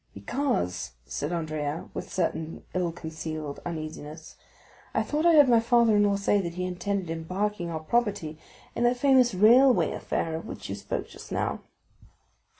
"Because," said Andrea, with a certain ill concealed uneasiness, "I thought I heard my father in law say that he intended embarking our property in that famous railway affair of which you spoke just now."